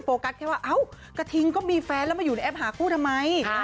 กัสแค่ว่าเอ้ากระทิงก็มีแฟนแล้วมาอยู่ในแอปหาคู่ทำไม